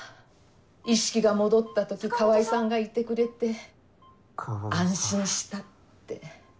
意識が戻った時川合さんがいてくれて安心したって。